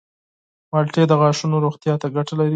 مالټې د غاښونو روغتیا ته ګټه لري.